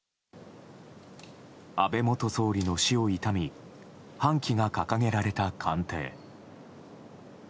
安倍元総理の死を悼み半旗が掲げられた官邸。